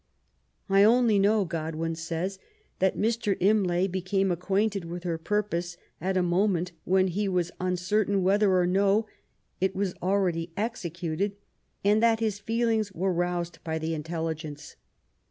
'^ I only know," Godwin says, that Mr. Imlay became acquainted with her purpose at a moment when he was uncertain whether or no it was already executed, and that his feelings were roused by the intelligence.